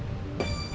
nggak usah lo pikir